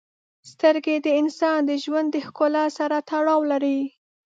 • سترګې د انسان د ژوند د ښکلا سره تړاو لري.